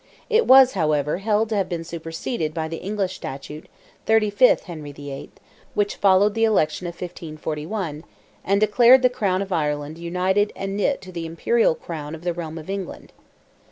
It was, however, held to have been superseded by the English Statute, 35. Hen. VIII., which followed the election of 1541, and declared the Crown of Ireland "united and knit to the Imperial Crown of the Realm of England."